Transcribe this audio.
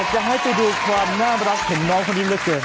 อยากจะให้ไปดูความน่ารักเห็นน้องของดินเจอ